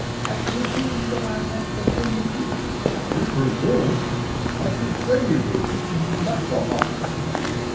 I presume that I have offended you?" "You presume! I should say you do. That's a hot one.